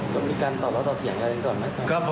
ก็มีการต่อเถอะต่อเถียงอะไรกันก่อนนะครับ